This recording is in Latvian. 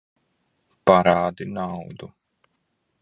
Parādi naudu!